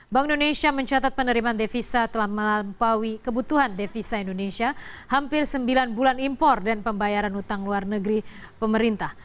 bank indonesia mencatat penerimaan devisa telah melampaui kebutuhan devisa indonesia hampir sembilan bulan impor dan pembayaran utang luar negeri pemerintah